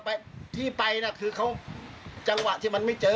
เสียที่ไปน่ะเขาจังหวะที่มันไม่เจอ